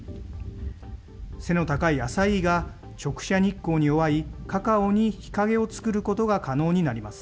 背の高いアサイーが、直射日光に弱いカカオに日陰を作ることが可能になります。